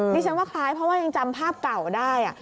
ดิฉันว่าคล้ายเพราะว่ายังจำภาพเก่าได้